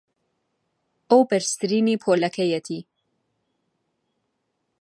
ئەو بەرزترینی پۆلەکەیەتی.